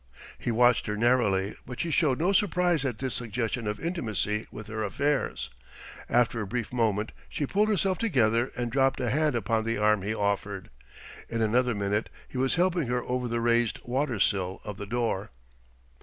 He watched her narrowly, but she showed no surprise at this suggestion of intimacy with her affairs. After a brief moment she pulled herself together and dropped a hand upon the arm he offered. In another minute he was helping her over the raised watersill of the door.